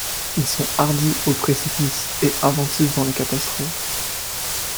Ils sont hardis aux précipices et inventifs dans les catastrophes.